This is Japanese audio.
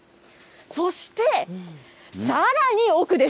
そして、さらに奥です。